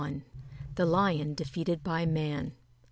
THE LION DEFEATED BY MAN.